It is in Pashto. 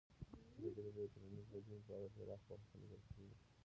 ازادي راډیو د ټولنیز بدلون په اړه پراخ بحثونه جوړ کړي.